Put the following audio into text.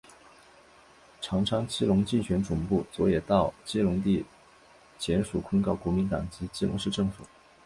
长昌基隆竞选总部昨也到基隆地检署控告国民党及基隆市政府。